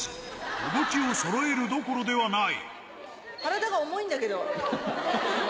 動きを揃えるどころではない。